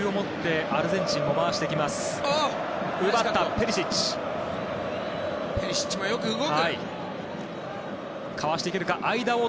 ペリシッチもよく動く。